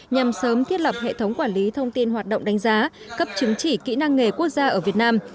nhằm sớm thiết lập hệ thống quản lý thông tin hoạt động đánh giá cấp chứng chỉ kỹ năng nghề quốc gia ở việt nam